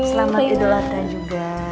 selamat idul adha juga